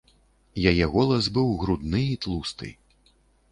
Яе голас быў грудны і тлусты.